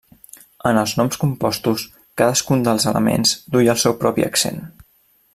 En els noms compostos, cadascun dels elements duia el seu propi accent.